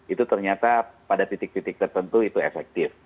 itu ternyata pada titik titik tertentu itu efektif